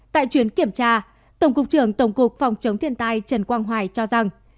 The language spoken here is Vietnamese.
tại chuyến kiểm tra tổng cục trưởng tổng cục phòng chống thiên tai trần quang hoài cho rằng